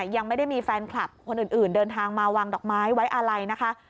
ยังไม่ได้มีแฟนคลับคนอื่นเดินทางมาวางดอกไม้ไว้อะไรนะคะ